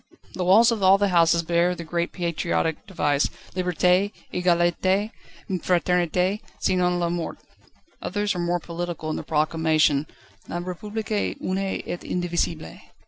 The walls of all the houses bear the great patriotic device: "Liberté, Egalité, Fraternité, sinon La Mort"; others are more political in their proclamation: "La République une et indivisible."